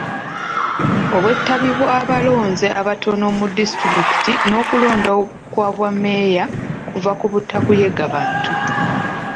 Obwetabi bw'abalonzi abatono mu disitulikiti n'okulonda okw'obwa meeya kiva ku butakuyega Bantu.